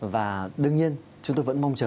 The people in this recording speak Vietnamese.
và đương nhiên chúng tôi vẫn mong chờ